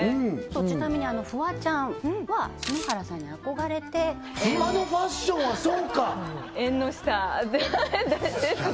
ちなみにフワちゃんは篠原さんに憧れてフワのファッションはそうかえんの下ですね